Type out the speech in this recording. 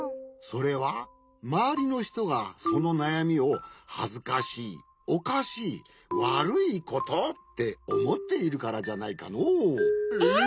それはまわりのひとがそのなやみを「はずかしいおかしいわるいこと」っておもっているからじゃないかのう。